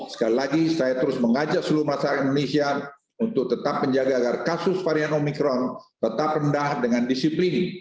sekali lagi saya terus mengajak seluruh masyarakat indonesia untuk tetap menjaga agar kasus varian omikron tetap rendah dengan disiplin